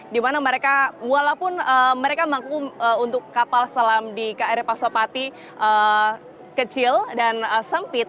di mana mereka walaupun mereka bangku untuk kapal selam di kri pasopati kecil dan sempit